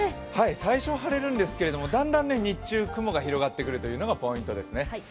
最初晴れるんですけれども、だんだん日中雲が広がってくるというのがポイントですね。